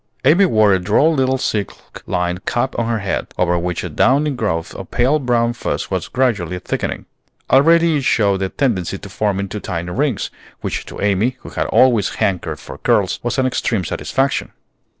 Amy wore a droll little silk lined cap on her head, over which a downy growth of pale brown fuzz was gradually thickening. Already it showed a tendency to form into tiny rings, which to Amy, who had always hankered for curls, was an extreme satisfaction.